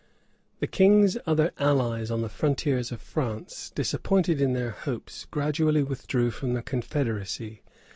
[] The king's other allies on the frontiers of France, disappointed in their hopes, gradually withdrew from the confederacy.